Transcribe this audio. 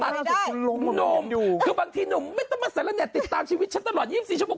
ทำไมตัดหนุ่มคือบางทีหนุ่มไม่ต้องมาใส่แล้วเนี่ยติดตามชีวิตฉันตลอด๒๔ชั่วโมง